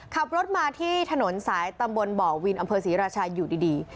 ขับรถมาที่ถนนสายตำบลบ่อวินอำเภอศรีราชาอยู่ดี